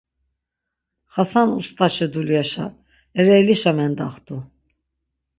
Xasan ust̆aşi dulyaşa Ereylişa mendaxt̆u.